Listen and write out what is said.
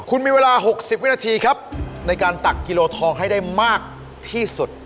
คุณมีเวลา๖๐วินาทีครับในการตักกิโลทองให้ได้มากที่สุด